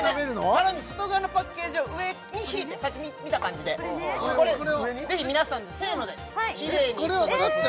さらに外側のパッケージを上に引いて先に見た感じでこれぜひ皆さんでせーのできれいにえっこれをグッて？